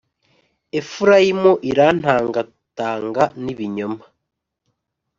Efurayimu irantangatanga n’ibinyoma,